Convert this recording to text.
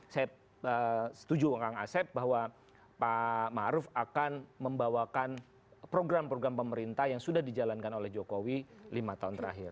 saya setuju kang asep bahwa pak maruf akan membawakan program program pemerintah yang sudah dijalankan oleh jokowi lima tahun terakhir